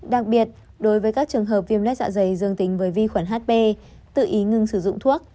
đặc biệt đối với các trường hợp viêm lết dạ dày dương tính với vi khuẩn hp tự ý ngưng sử dụng thuốc